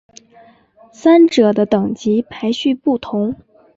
三者的等级排序不同。